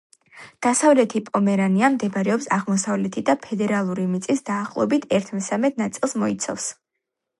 დასავლეთი პომერანია მდებარეობს აღმოსავლეთით და ფედერალური მიწის დაახლოებით ერთ მესამედ ნაწილს მოიცავს.